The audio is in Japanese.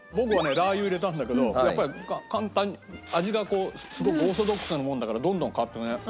ラー油入れたんだけどやっぱり簡単に味がこうすごくオーソドックスなものだからどんどん変わってくね。